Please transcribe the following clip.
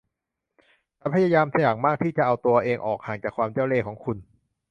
ฉันพยายามอย่างมากที่จะเอาตัวเองออกห่างจากความเจ้าเล่ห์ของคุณ